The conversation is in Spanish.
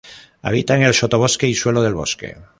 Habita en el sotobosque y suelo del bosque.